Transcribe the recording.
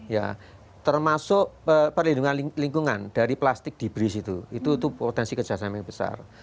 ya termasuk perlindungan lingkungan dari plastik diberi situ itu potensi kerjasama yang besar